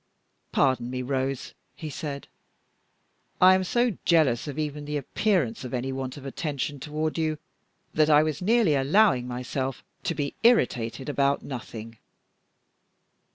"Pardon me, Rose," he said; "I am so jealous of even the appearance of any want of attention toward you, that I was nearly allowing myself to be irritated about nothing."